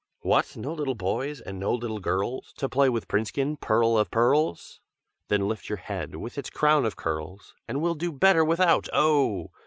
"'What! no little boys, and no little girls, To play with Princekin, pearl of pearls? Then lift your head, with its crown of curls, And we'll do better without, oh!